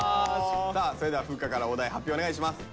さあそれではふっかからお題発表お願いします。